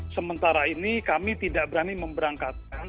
sementara ini kami tidak berani memberangkatkan